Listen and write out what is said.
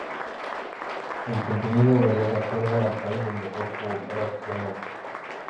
El contenido varía de acuerdo al país donde Roku opera oficialmente.